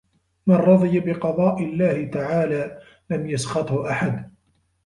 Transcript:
مَنْ رَضِيَ بِقَضَاءِ اللَّهِ تَعَالَى لَمْ يَسْخَطْهُ أَحَدٌ